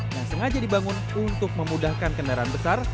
yang sengaja dibangun untuk memudahkan kendaraan besar